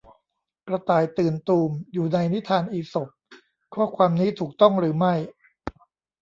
กระต่ายตื่นตูม อยู่ในนิทานอีสป ข้อความนี้ถูกต้องหรือไม่